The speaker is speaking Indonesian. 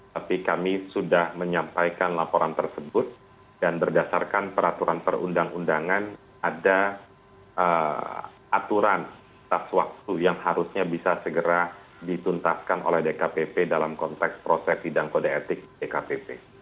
tapi kami sudah menyampaikan laporan tersebut dan berdasarkan peraturan perundang undangan ada aturan tas waktu yang harusnya bisa segera dituntaskan oleh dkpp dalam konteks proses sidang kode etik dkpp